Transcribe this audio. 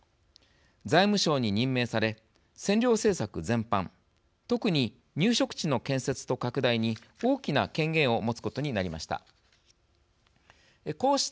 財務相に任命され占領政策全般特に入植地の建設と拡大に大きな権限を持つことになりました。